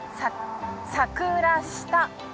桜下